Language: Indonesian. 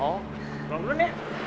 balik dulu ya